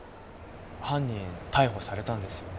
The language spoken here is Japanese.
犯人逮捕されたんですよね